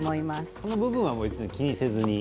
その部分は別に気にせずに。